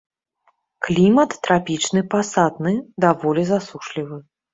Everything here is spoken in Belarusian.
Клімат трапічны пасатны, даволі засушлівы.